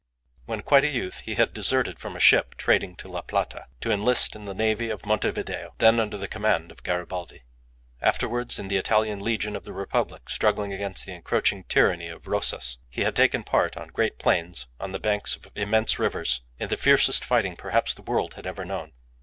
When quite a youth he had deserted from a ship trading to La Plata, to enlist in the navy of Montevideo, then under the command of Garibaldi. Afterwards, in the Italian legion of the Republic struggling against the encroaching tyranny of Rosas, he had taken part, on great plains, on the banks of immense rivers, in the fiercest fighting perhaps the world had ever known.